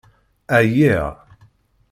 Ɛyiɣ!